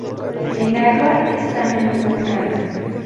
El agua esta a menudo en calma.